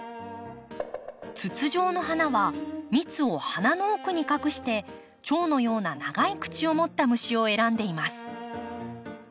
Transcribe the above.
筒状の花は蜜を花の奥に隠してチョウのような長い口をもった虫を選んでいます。